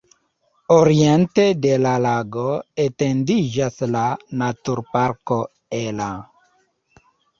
Oriente de la lago etendiĝas la naturparko Ela.